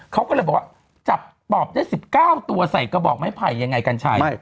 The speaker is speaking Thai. เขาก็เลยบอกว่าจับปอบได้๑๙ตัวใส่กระบอกไม้ไผ่ยังไงกัญชัย